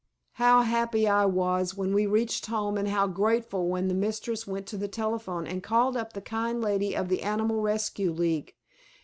How happy I was when we reached home and how grateful when the mistress went to the telephone and called up the kind lady of the Animal Rescue League.